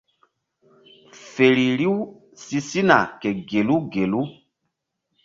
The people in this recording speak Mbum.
Feri riw si sina ke gelu gelu.